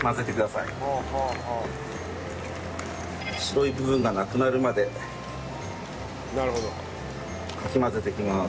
白い部分がなくなるまでかき混ぜていきます。